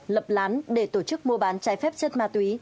lập lán để tổ chức mua bán trái phép chất ma túy